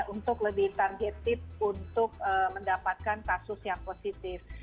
untuk lebih targeted untuk mendapatkan kasus yang positif